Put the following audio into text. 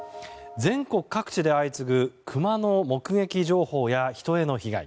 全国各地で相次ぐクマの目撃情報や人への被害。